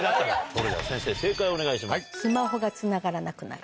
それでは先生正解をお願いします。